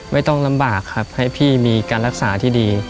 ไม่ต้องลำบากครับให้พี่มีการรักษาที่ดี